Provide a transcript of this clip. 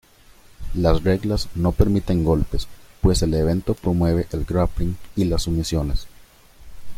Las reglas no permiten golpes pues el evento promueve el grappling y las sumisiones.